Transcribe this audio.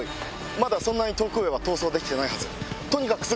まだそんなに遠くへは逃走できてないはず。